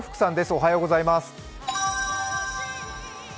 おはようございます。